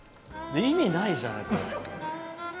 意味ないじゃない、これ。